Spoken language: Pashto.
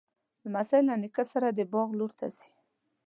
لمسی له نیکه سره د باغ لور ته ځي.